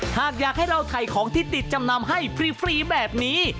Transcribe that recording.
หากอยากให้เราถ่ายของที่ติดจำนำให้ฟรีแบบนี้